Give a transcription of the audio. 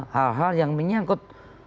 hal hal yang menyangkut